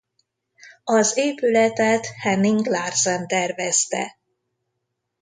Az épületet Henning Larsen tervezte.